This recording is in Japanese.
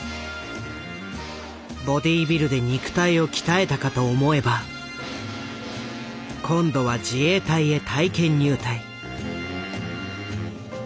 ボディービルで肉体を鍛えたかと思えば今度は自衛隊へ体験入隊。